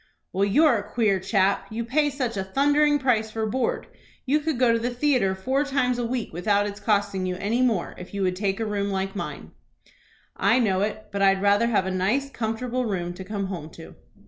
"Well, you're a queer chap. You pay such a thundering price for board. You could go to the theatre four times a week without its costing you any more, if you would take a room like mine." "I know it; but I'd rather have a nice, comfortable room to come home to."